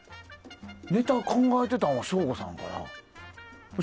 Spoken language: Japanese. ネタ考えてたんは省吾さんかな？